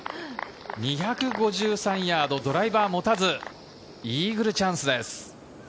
２５３ヤード、ドライバー持たず、イーグルチャンスです。